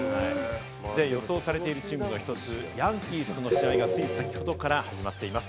予想されているチームの１つ、ヤンキースとの試合がつい先ほどから始まっています。